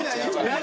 何？